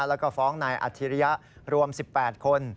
แล้วก็ฟ้องนายอัจฉริยะรวม๑๘คน